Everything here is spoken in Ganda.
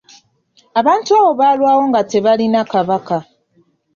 Abantu abo baalwawo nga tebalina kabaka.